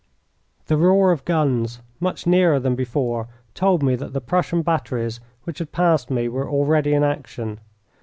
The roar of guns, much nearer than before, told me that the Prussian batteries which had passed me were already in action.